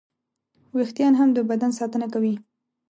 وېښتيان هم د بدن ساتنه کوي.